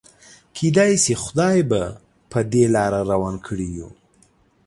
کيدای شي خدای به په دې لاره روان کړي يو.